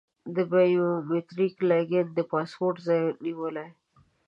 د بایو میتریک لاګین د پاسورډ ځای نیولی.